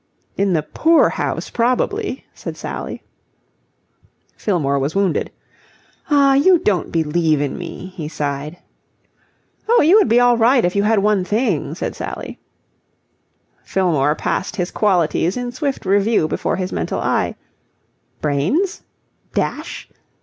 "In the poor house, probably," said Sally. Fillmore was wounded. "Ah! you don't believe in me," he sighed. "Oh, you would be all right if you had one thing," said Sally. Fillmore passed his qualities in swift review before his mental eye. Brains? Dash?